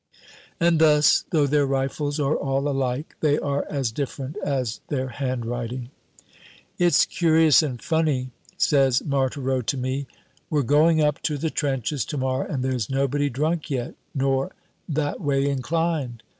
And thus, though their rifles are all alike, they are as different as their handwriting. "It's curious and funny," says Marthereau to me "we're going up to the trenches to morrow, and there's nobody drunk yet, nor that way inclined.